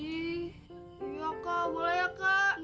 iya kak boleh ya kak